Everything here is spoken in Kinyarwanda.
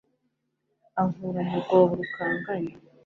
ankura mu rwobo rukanganye